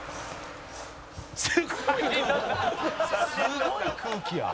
「すごい空気や」